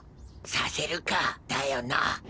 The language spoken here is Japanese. させるかだよな！